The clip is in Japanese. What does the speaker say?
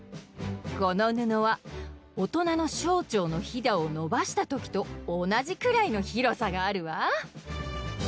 このぬのは大人の小腸のヒダをのばしたときとおなじくらいのひろさがあるわ。